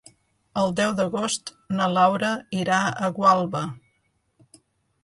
El deu d'agost na Laura irà a Gualba.